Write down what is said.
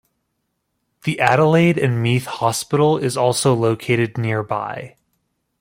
The Adelaide and Meath Hospital is also located nearby.